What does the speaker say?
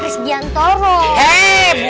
chris diantoro mah pernah